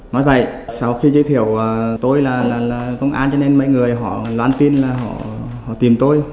nói vậy sau khi giới thiệu tôi là công an cho nên mấy người họ loan tin là họ tìm tôi